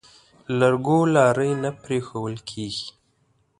لرګو لارۍ نه پرېښوول کېږي.